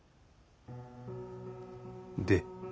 で？